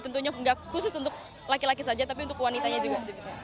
tentunya nggak khusus untuk laki laki saja tapi untuk wanitanya juga